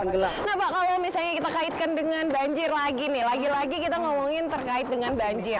nah pak kalau misalnya kita kaitkan dengan banjir lagi nih lagi lagi kita ngomongin terkait dengan banjir